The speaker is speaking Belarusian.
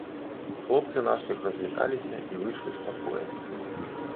Хлопцы наспех развіталіся і выйшлі з пакоя.